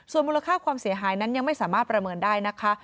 ส่วนมูลค่าความเสียหายนั้นยังไม่สามารถประเมินได้นะคะ